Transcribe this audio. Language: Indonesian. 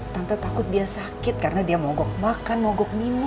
tanpa takut dia sakit karena dia mogok makan mogok minum